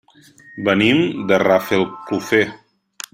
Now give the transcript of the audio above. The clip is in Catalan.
Venim de Rafelcofer.